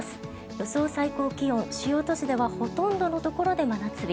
予想最高気温、主要都市ではほとんどのところで真夏日。